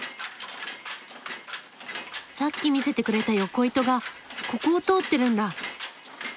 さっき見せてくれた横糸がここを通ってるんだ。